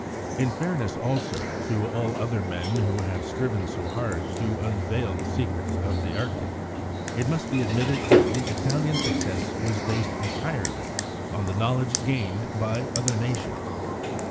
In fairness, also, to all other men who have striven so hard to unveil the secrets of the Arctic, it must be admitted that the Italian success was based entirely on the knowledge gained by other nations.